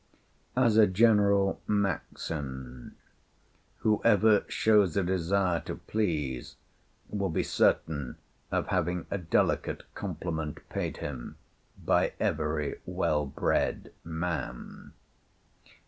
As a general maxim: Whoever shows a desire to please will be certain of having a delicate compliment paid him by every well bred man.